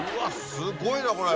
すごい！これ。